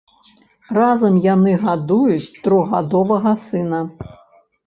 Разам яны гадуюць трохгадовага сына.